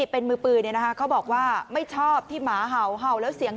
เป็นมือปืนเนี้ยนะคะเขาบอกว่าไม่ชอบที่หาวแล้วเสียง